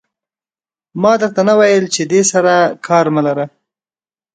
ما در ته نه ویل چې دې سره کار مه لره.